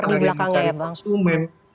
ada yang mencari konsumen